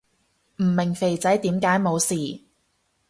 唔明肥仔點解冇事